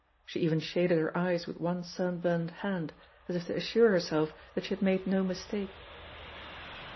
She even shaded her eyes with one sunburnt hand, as if to assure herself that she had made no mistake.